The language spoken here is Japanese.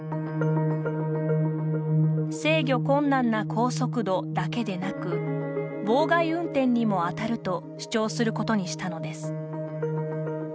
「制御困難な高速度」だけでなく「妨害運転」にも当たると主張することにしたのです。